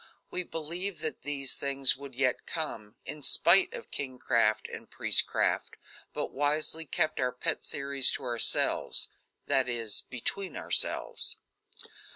We believed that these things would yet come, in spite of kingcraft and priestcraft, but wisely kept our pet theories to ourselves: that is, between ourselves.